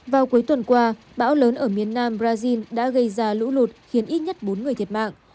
vào cuối tuần qua bão lớn ở miền nam brazil đã gây ra lũ lụt khiến ít nhất bốn người thiệt mạng